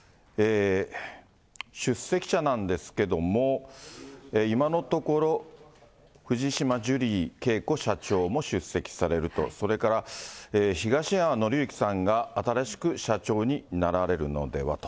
出席者なんですけれども、今のところ、藤島ジュリー景子社長も出席されると、それから、東山紀之さんが新しく社長になられるのではと、